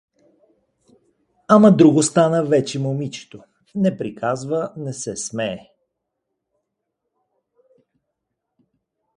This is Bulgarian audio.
Ама друго стана вече момичето: не приказва, не се смее.